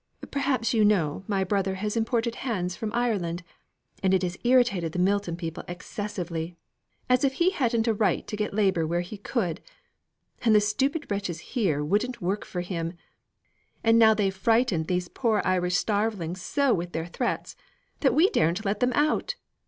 Perhaps you know my brother has imported hands from Ireland, and it has irritated the Milton people excessively as if he hadn't a right to get labour where he could; and the stupid wretches here wouldn't work for him; and now they've frightened these poor Irish starvelings so with their threats, that we daren't let them out.